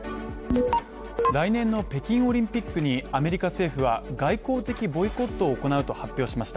来年の北京オリンピックにアメリカ政府は外交的ボイコットを行うと発表しました。